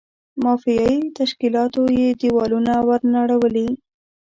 مافیایي تشکیلاتو یې دېوالونه ور نړولي.